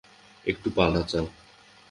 একটু পা নাচাও।